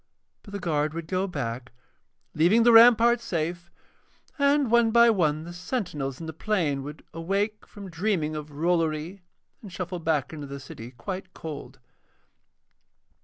But the guard would go back leaving the ramparts safe, and one by one the sentinels in the plain would awake from dreaming of Rollory and shuffle back into the city quite cold.